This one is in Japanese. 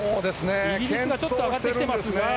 イギリスがちょっと上がってきていますが。